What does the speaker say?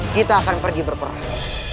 kita akan pergi berperang